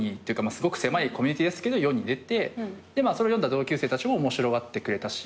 すごく狭いコミュニティーですけど世に出てそれを読んだ同級生たちも面白がってくれたし。